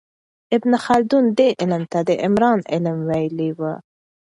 ابن خلدون دې علم ته د عمران علم ویلی و.